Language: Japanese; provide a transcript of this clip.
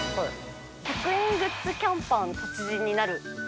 １００円グッズキャンパーの達人になる！